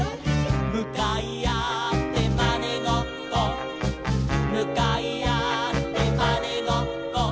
「むかいあってまねごっこ」「むかいあってまねごっこ」